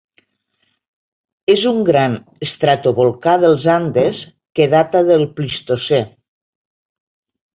És un gran estratovolcà dels Andes que data del Plistocè.